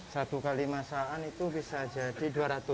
satu kali masaan itu bisa jadi dua ratus